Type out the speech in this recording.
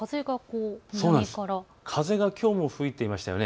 風がきょうも吹いていましたよね。